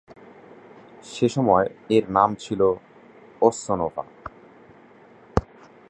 সেসময় এর নাম ছিল ওসসোনোভা।